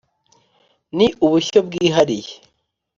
Ni ubushyo bwihariye